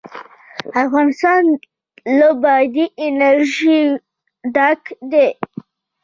افغانستان له بادي انرژي ډک دی.